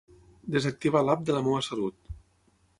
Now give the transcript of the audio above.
Desactivar l'app de La Meva Salut.